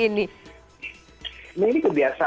nah ini kebiasaan nih angpaunya adalah kebiasaan sosial